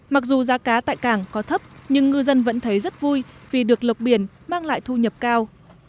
mặc dù giá cá tại cảng có thấp nhưng ngư dân vẫn thấy rất vui vì được lộng biển mang lại thu nhập cao